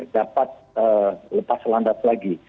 dapat lepas landas lagi